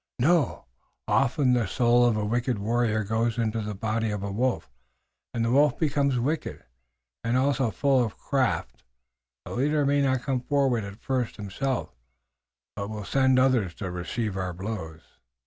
"No. Often the soul of a wicked warrior goes into the body of a wolf, and the wolf becomes wicked, and also full of craft. The leader may not come forward at first himself, but will send others to receive our blows."